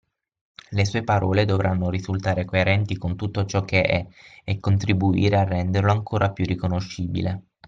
Le sue parole dovranno risultare coerenti con tutto ciò che è e contribuire a renderlo ancor più riconoscibile.